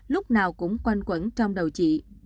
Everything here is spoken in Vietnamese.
lúc nào cũng quanh quẩn trong đầu chị